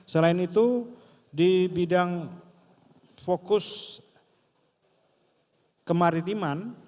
selain itu di bidang fokus kemaritiman